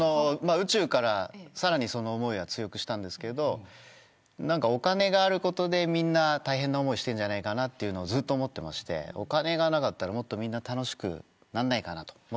宇宙から、さらにその思いは強くしたんですけれど何か、お金があることでみんな大変な思いをしてるんじゃないかなっていうのを、ずっと思ってましてお金がなかったらもっと、みんな楽しくなんないかなと。